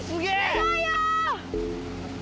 すごいよ！